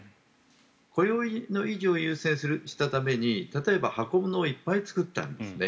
雇用の維持を優先したために例えば箱物をいっぱい作ったんですね